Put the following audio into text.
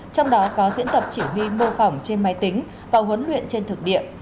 trong đó có diễn tập chỉ huy mô phỏng trên máy tính và huấn luyện trên thực địa